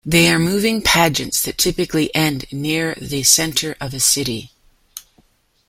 They are moving pageants that typically end near the centre of a city.